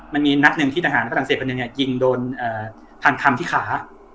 มันมีนัดหนึ่งที่ทหารฝรั่งเศสคนหนึ่งยิงโดนพันคำที่ขา